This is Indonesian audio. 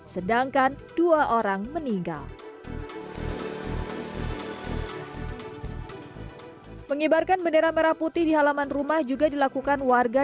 sedangkan dua orang meninggal mengibarkan bendera merah putih di halaman rumah juga dilakukan warga